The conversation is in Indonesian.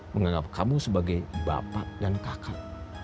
menganggap kamu sebagai bapak dan kakak